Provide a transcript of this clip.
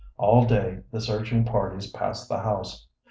All day the searching parties passed the house.